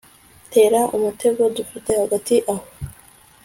tera umutego dufite hagati aho